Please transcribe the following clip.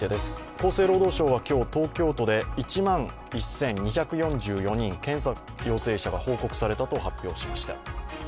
厚生労働省は今日、東京都で１万１２４４人検査陽性者が報告されたと発表しました。